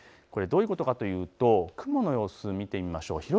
どういうことかというと雲の様子を見てみましょう。